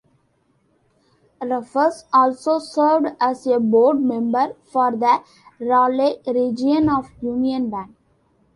Rufus also served as a board member for the Raleigh region of Union Bank.